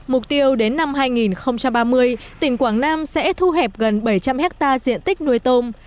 mục tiêu đến năm hai nghìn ba mươi tỉnh quảng nam sẽ thu hẹp gần bảy trăm linh hectare diện tích nuôi tôm